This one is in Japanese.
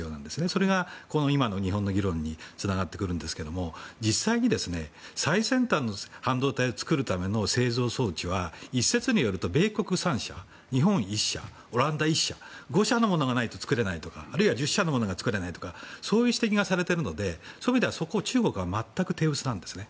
それが、今の日本の議論につながってくるんですけど実際に、最先端の半導体を作るための製造装置は一説によると、米国３社日本１社、オランダ１社の５社のものがないと作れないとかあるいは１０社のものがないと作れないとかそういう指摘がされているのでそういう意味では、そこに中国は全く手薄なんですね。